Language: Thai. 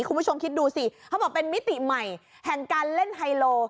คุณผู้ชมคิดดูสิเขาบอกเป็นมิติใหม่แห่งการเล่นไฮโล